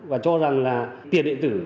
và cho rằng là tiền đệ tử